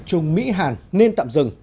trung mỹ hàn nên tạm dừng